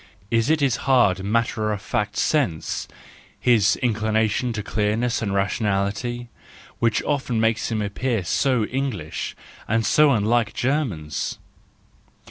Is it his hard matter of fact sense, his inclination to clearness and rationality, which often makes him appear so English, and so unlike Germans